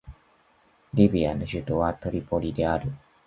リビアの首都はトリポリである